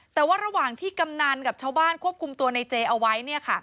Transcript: แต่ว่าระหว่างที่กำนันกับชาวบ้านควบคุมตัวในเจเอาไว้